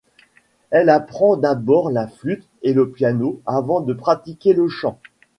Elle apprend d'abord la flute et le piano avant de pratiquer le chant.